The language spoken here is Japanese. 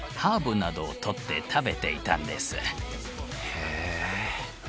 へえ。